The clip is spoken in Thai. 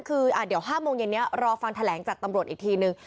คือเดี๋ยว๕โมงเย็นนี้รอฟังแถลงจากตำรวจอีกทีนึง